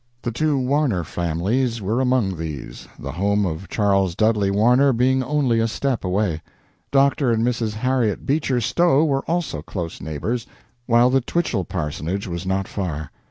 The two Warner famines were among these, the home of Charles Dudley Warner being only a step away. Dr. and Mrs. Harriet Beecher Stowe were also close neighbors, while the Twichell parsonage was not far.